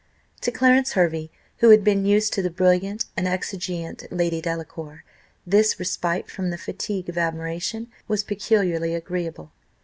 To Clarence Hervey, who had been used to the brilliant and exigeante Lady Delacour, this respite from the fatigue of admiration was peculiarly agreeable.